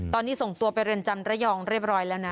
ตอนนี้ส่งตัวไปเรือนจำระยองเรียบร้อยแล้วนะ